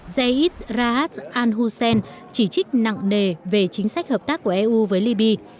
zaid rahat al hussein chỉ trích nặng nề về chính sách hợp tác của eu với libya